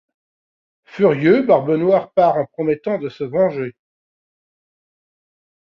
Furieux, Barbe Noire part en promettant de se venger.